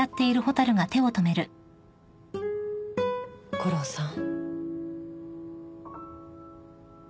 悟郎さん。